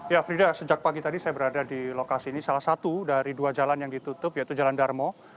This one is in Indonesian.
ya frida sejak pagi tadi saya berada di lokasi ini salah satu dari dua jalan yang ditutup yaitu jalan darmo